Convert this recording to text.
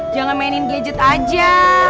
jangan mainin gadget aja